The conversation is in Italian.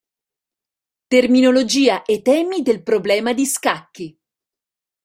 Terminologia e temi del problema di scacchi".